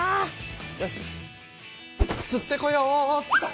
よしつってこようっと。